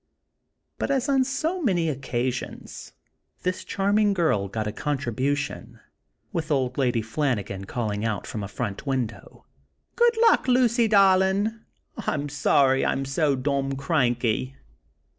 But, as on so many occasions, this charming girl got a contribution, with Old Lady Flanagan calling out from a front window: "Good luck, Lucy darlin'! I'm sorry I was so dom cranky!"